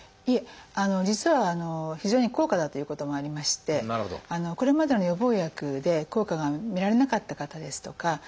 いえ実は非常に高価だということもありましてこれまでの予防薬で効果が見られなかった方ですとか